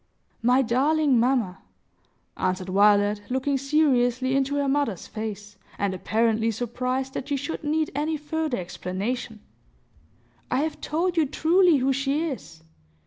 "My darling mamma," answered Violet, looking seriously into her mother's face, and apparently surprised that she should need any further explanation, "I have told you truly who she is.